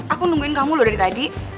aku nungguin kamu lagi lo tadi